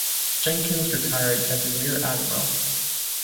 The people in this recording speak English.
Jenkins retired as a Rear Admiral.